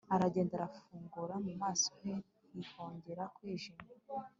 aragenda arafungura mu maso he ntihongera kwijima